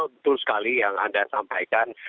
betul sekali yang anda sampaikan